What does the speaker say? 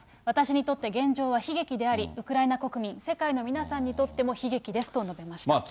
私にとって現状は悲劇であり、ウクライナ国民、世界の皆さんにとっても悲劇ですと述べました。